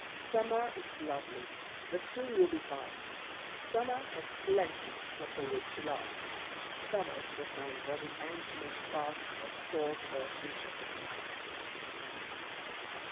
Summer is lovely, but soon will be past. Summer has plenty not always to last. Summer's the time for the ant to make fast Her stores for a future supply!"